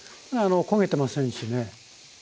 焦げてませんしね。